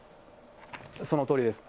そのとおりです。